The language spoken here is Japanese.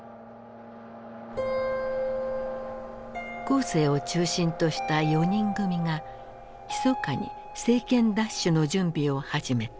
江青を中心とした「四人組」がひそかに政権奪取の準備を始めた。